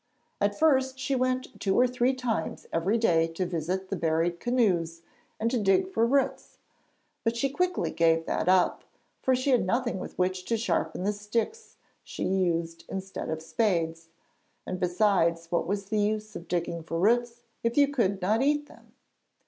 At first she went two or three times every day to visit the buried canoes and to dig for roots, but she quickly gave that up, for she had nothing with which to sharpen the sticks she used instead of spades; and besides, what was the use of digging for roots if you could not eat them?